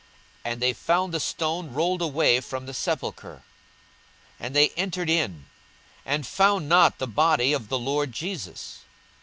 42:024:002 And they found the stone rolled away from the sepulchre. 42:024:003 And they entered in, and found not the body of the Lord Jesus.